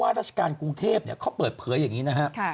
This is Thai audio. ราชการกรุงเทพเขาเปิดเผยอย่างนี้นะครับ